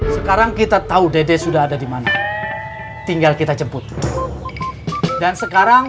sekarang kita tahu dede sudah ada di mana tinggal kita jemput dan sekarang